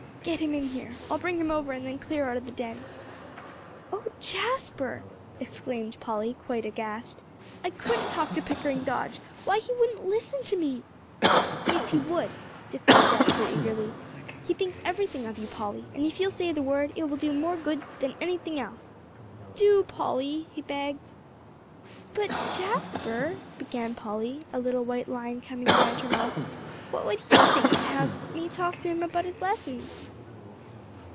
"Get him in here; I'll bring him over and then clear out of the den." "Oh Jasper!" exclaimed Polly, quite aghast. "I couldn't talk to Pickering Dodge. Why, he wouldn't listen to me." "Yes, he would," declared Jasper eagerly; "he thinks everything of you, Polly, and if you'll say the word, it will do more good than anything else. Do, Polly," he begged. "But, Jasper," began Polly, a little white line coming around her mouth, "what would he think to have me talk to him about his lessons?"